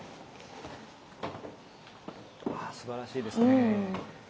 あすばらしいですね。